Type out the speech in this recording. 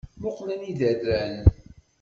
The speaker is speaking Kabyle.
Muqel anida i rran.